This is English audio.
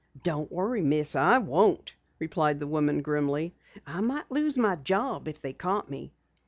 "Don't worry, Miss, I won't," replied the woman grimly. "I might lose my job if they caught me."